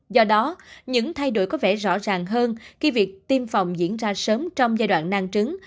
do đó những thay đổi có vẻ rõ ràng hơn khi việc tiêm phòng diễn ra sớm trong giai đoạn nang trứng